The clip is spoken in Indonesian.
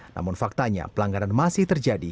namun faktanya pelanggaran masih terjadi